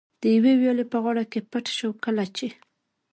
د یوې ویالې په غاړه کې پټ شو، کله چې.